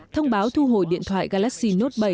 thông báo thu hồi điện thoại galaxy note bảy